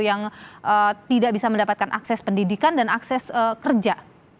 yang tidak bisa mendapatkan akses pendidikan dan akses kerja